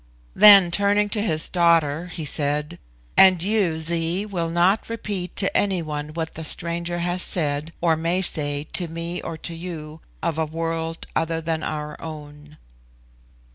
Then turning to his daughter, he said, "And you, Zee, will not repeat to any one what the stranger has said, or may say, to me or to you, of a world other than our own."